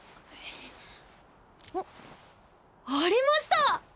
あありました！